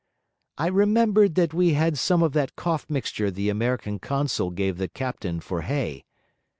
I remembered that we had some of that cough mixture the American consul gave the captain for Hay.